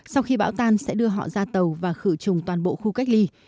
sau khi bão tan sẽ đưa họ ra tàu và khử trùng toàn bộ khu cách ly